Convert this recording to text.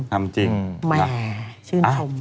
ทำจริงแหมชื่นชม